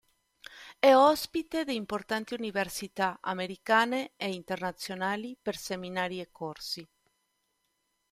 È ospite di importanti Università americane e internazionali per seminari e corsi.